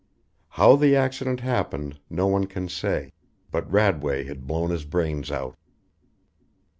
How the accident happened no one can say, but Radway had blown his brains out.